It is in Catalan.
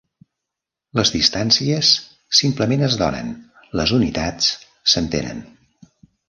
Les distàncies simplement es donen, les unitats s'entenen.